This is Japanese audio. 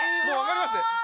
もう分かりますね。